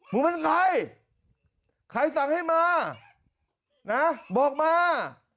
มันเป็นใครใครสั่งให้มานะบอกมา